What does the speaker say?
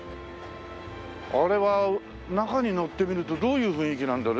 あれは中に乗ってみるとどういう雰囲気なんだろう？